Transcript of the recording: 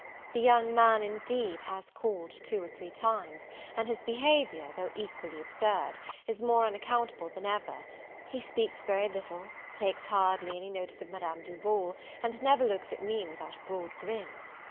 The young man, indeed, has called two or three times; and his behavior, though equally absurd, is more unaccountable than ever: he speaks very little, takes hardly any notice of Madame Duval, and never looks at me without a broad grin.